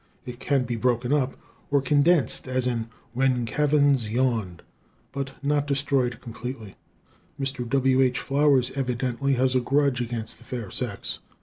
It can be broken up, or condensed as in "When Caverns Yawned," but not destroyed completely. Mr. W. H. Flowers evidently has a grudge against the fair sex.